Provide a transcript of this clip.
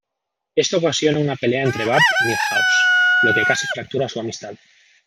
Esto ocasiona una pelea entre Bart y Milhouse, lo que casi fractura su amistad.